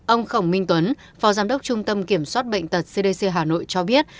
ông khổng minh tuấn phó giám đốc trung tâm kiểm soát bệnh tật cdc hà nội cho biết